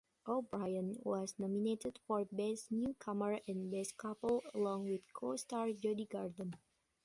O'Brien was nominated for "Best Newcomer" and "Best Couple" along with co-star Jodi Gordon.